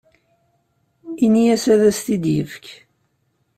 Ini-as ad as-t-id-yefk.